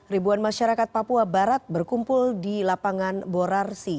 ribuan masyarakat papua barat berkumpul di lapangan borarsi